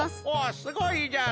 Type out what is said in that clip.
すごいじゃろ？